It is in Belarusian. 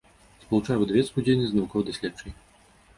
Спалучае выдавецкую дзейнасць з навукова-даследчай.